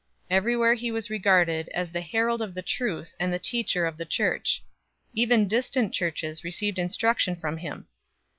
Everywhere he was regarded as the herald of the truth and the teacher of the Church ; even distant Churches received instruction from him.